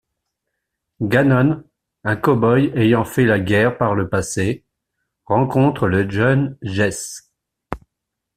Gannon, un cow-boy ayant fait la guerre par le passé, rencontre le jeune Jess.